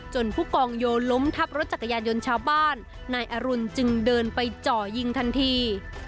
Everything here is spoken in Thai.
ผู้กองโยล้มทับรถจักรยานยนต์ชาวบ้านนายอรุณจึงเดินไปจ่อยิงทันที